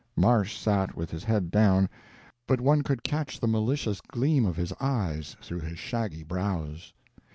Marsh sat with his head down, but one could catch the malicious gleam of his eyes through his shaggy brows.